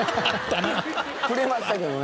くれましたけどね。